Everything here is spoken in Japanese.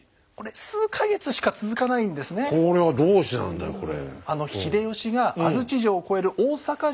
これはどうしてなんだよこれ。